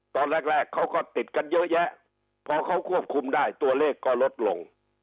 ตอนแรกแรกเขาก็ติดกันเยอะแยะพอเขาควบคุมได้ตัวเลขก็ลดลง